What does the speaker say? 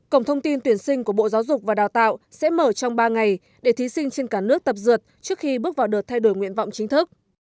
cổng thông tin tuyển sinh của bộ giáo dục và đào tạo sẽ mở trong ba ngày để thí sinh trên cả nước tập dượt trước khi bước vào đợt thay đổi nguyện vọng chính thức